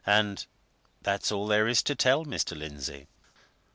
And that's all there is to tell, Mr. Lindsey."